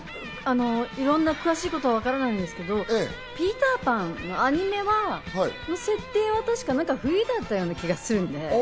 いろんな詳しいことはわからないんですけど、『ピーターパン』のアニメの設定は確か冬だった気がするんで。